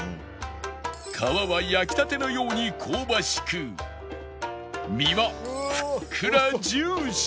皮は焼きたてのように香ばしく身はふっくらジューシー